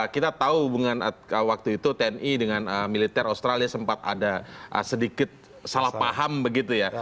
kita tahu hubungan waktu itu tni dengan militer australia sempat ada sedikit salah paham begitu ya